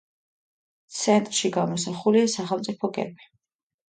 ცენტრში გამოსახულია სახელმწიფო გერბი.